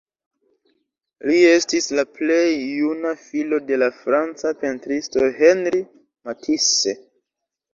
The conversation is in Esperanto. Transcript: Li estis la plej juna filo de la franca pentristo Henri Matisse.